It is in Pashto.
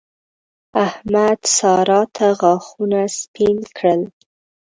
احمد؛ سارا ته غاښونه سپين کړل.